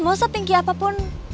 mau setinggi apapun